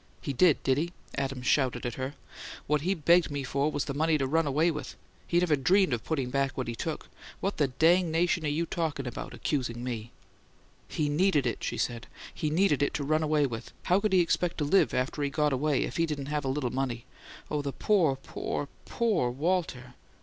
"He DID, did he?" Adams shouted at her. "What he begged me for was money to run away with! He never dreamed of putting back what he took. What the dangnation you talking about accusing me!" "He NEEDED it," she said. "He needed it to run away with! How could he expect to LIVE, after he got away, if he didn't have a little money? Oh, poor, poor, POOR Walter!